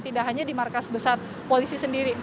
tidak hanya di markas besar polisi sendiri